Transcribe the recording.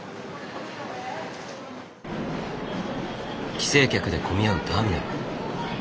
帰省客で混み合うターミナル。